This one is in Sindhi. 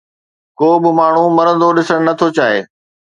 ڪو به ماڻهو مرندو ڏسڻ نٿو چاهي